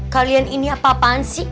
kalian ini apa apaan sih